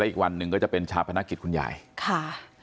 อีกวันหนึ่งก็จะเป็นชาปนกิจคุณยายค่ะ